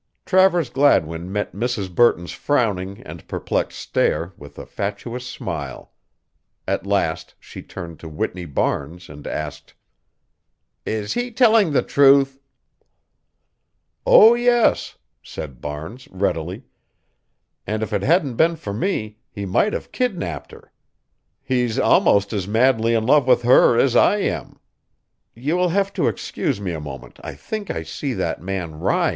Travers Gladwin met Mrs. Burton's frowning and perplexed stare with a fatuous smile. At last she turned to Whitney Barnes and asked: "Is he telling the truth?" [Illustration: "HE'S ALMOST AS MADLY IN LOVE WITH HER AS I AM."] "Oh, yes," said Barnes, readily, "and if it hadn't been for me he might have kidnapped her. He's almost as madly in love with her as I am you will have to excuse me a moment, I think I see that man Ryan."